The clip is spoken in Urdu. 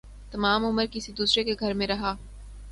تمام عمر کسی دوسرے کے گھر میں رہا